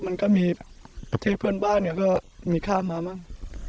มันก็มีที่เพื่อนบ้านก็มีข้าวมาบ้าง